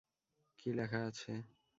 কী লেখা আছে?